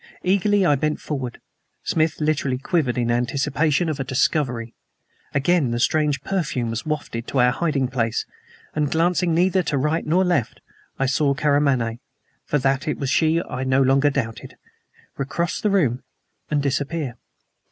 Eagerly I bent forward. Smith literally quivered in anticipation of a discovery. Again the strange perfume was wafted to our hiding place; and, glancing neither to right nor left, I saw Karamaneh for that it was she I no longer doubted recross the room and disappear.